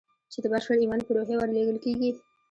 چې د بشپړ ايمان په روحيه ورلېږل کېږي.